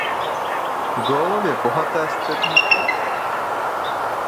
Gólově bohaté střetnutí.